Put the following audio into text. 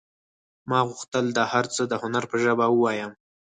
ما غوښتل دا هر څه د هنر په ژبه ووایم